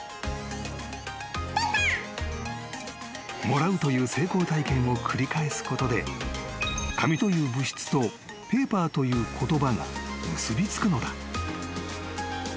［もらうという成功体験を繰り返すことで紙という物質とペーパーという言葉が結び付くのだ］